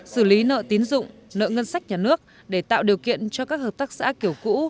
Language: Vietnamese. xử lý nợ tín dụng nợ ngân sách nhà nước để tạo điều kiện cho các hợp tác xã kiểu cũ